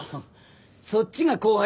そっちが後輩だろ。